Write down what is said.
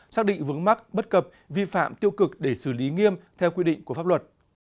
xác định vướng mắc bất cập vi phạm tiêu cực để xử lý nghiêm theo quy định của pháp luật